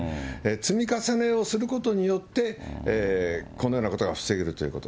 積み重ねをすることによって、このようなことが防げるということ。